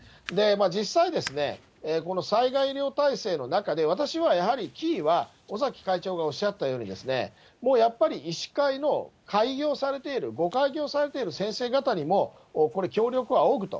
実際ですね、この災害医療体制の中で、私はやはりキーは、尾崎会長がおっしゃったようにですね、もうやっぱり医師会の開業されている、ご開業されている先生方にも、これ、協力を仰ぐと。